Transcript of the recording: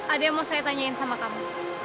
ada yang mau saya tanyain sama kamu